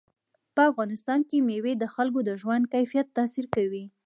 په افغانستان کې مېوې د خلکو د ژوند کیفیت تاثیر کوي.